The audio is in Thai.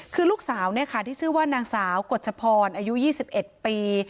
คือลูกสาวเนี่ยค่ะที่ชื่อว่านางสาวกฎชพรอายุยี่สิบเอ็ดปี